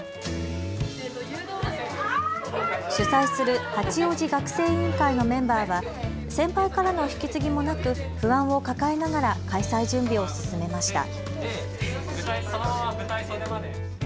主催する八王子学生委員会のメンバーは先輩からの引き継ぎもなく不安を抱えながら開催準備を進めました。